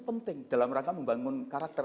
penting dalam rangka membangun karakter